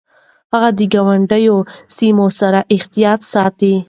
هغه د ګاونډي سيمو سره احتياط ساته.